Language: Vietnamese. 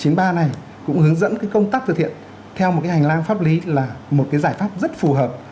chín mươi ba này cũng hướng dẫn cái công tác thừa thiện theo một cái hành lang pháp lý là một cái giải pháp rất phù hợp